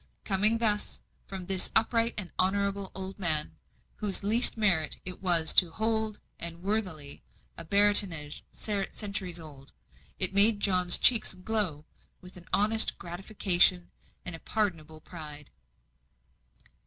Coming thus, from this upright and honourable old man, whose least merit it was to hold, and worthily, a baronetage centuries old, it made John's cheek glow with an honest gratification and a pardonable pride.